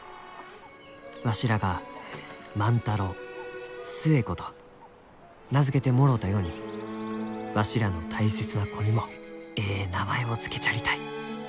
「わしらが『万太郎』『寿恵子』と名付けてもろうたようにわしらの大切な子にもえい名前を付けちゃりたい。